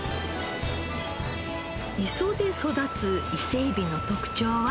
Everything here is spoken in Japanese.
磯で育つ伊勢えびの特長は？